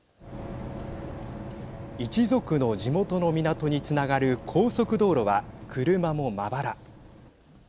一族の地元の港につながる高速道路は車もまばら。